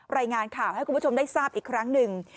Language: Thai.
รายงานข่าวให้คุณผู้ชมได้ทราบอีกครั้งหนึ่ง